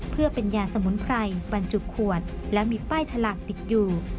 เพื่อเป็นยาสมุนไพรบรรจุขวดและมีป้ายฉลากติดอยู่